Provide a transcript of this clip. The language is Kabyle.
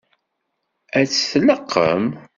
Ad tt-tleqqem?